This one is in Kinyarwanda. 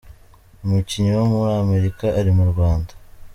Umukinnyi wo muri America ari mu Rwanda